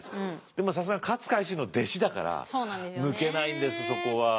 でもさすがに勝海舟の弟子だから抜けないんですそこは。